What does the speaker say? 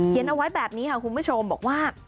เอาไว้แบบนี้ค่ะคุณผู้ชมบอกว่า